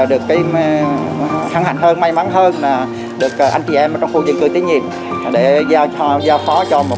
được cái hân hạnh hơn may mắn hơn là được anh chị em ở trong khu dân cư tự nhiệm để giao phó cho một